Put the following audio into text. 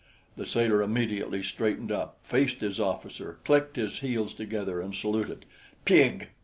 The sailor immediately straightened up, faced his officer, clicked his heels together and saluted. "Pig!"